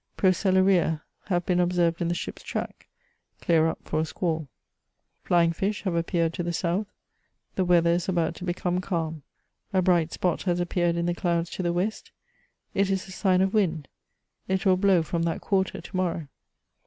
Procellaria have been observed in the ship*s track ; clear up for a squall. Flying fish have appeared to the south ; the weather is about to become calm. A bright spot has appeared in the clouds to the west ; it is the sign of wind ; it will blow from that quarter to morrow.